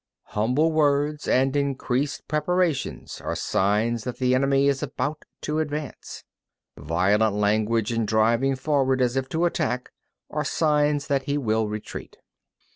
24. Humble words and increased preparations are signs that the enemy is about to advance. Violent language and driving forward as if to the attack are signs that he will retreat.